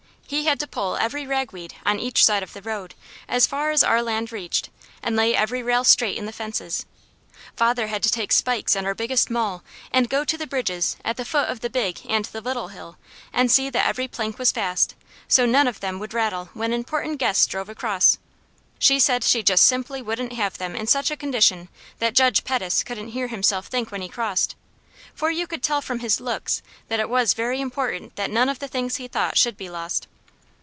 He had to pull every ragweed on each side of the road as far as our land reached, and lay every rail straight in the fences. Father had to take spikes and our biggest maul and go to the bridges at the foot of the Big and the Little Hill, and see that every plank was fast, so none of them would rattle when important guests drove across. She said she just simply wouldn't have them in such a condition that Judge Pettis couldn't hear himself think when he crossed; for you could tell from his looks that it was very important that none of the things he thought should be lost.